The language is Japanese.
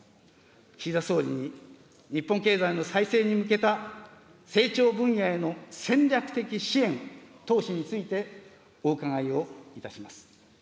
岸田総理に、日本経済の再生に向けた成長分野への戦略的支援・投資についてお伺いをいたします。